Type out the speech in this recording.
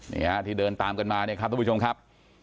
นี่ฮะที่เดินตามกันมาเนี่ยครับทุกผู้ชมครับ